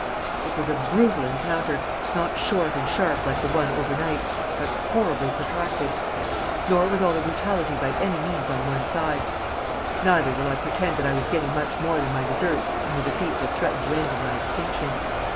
It was a brutal encounter, not short and sharp like the one over night, but horribly protracted. Nor was all the brutality by any means on one side; neither will I pretend that I was getting much more than my deserts in the defeat that threatened to end in my extinction.